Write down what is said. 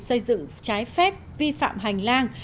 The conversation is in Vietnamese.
xây dựng trái phép vi phạm hành lang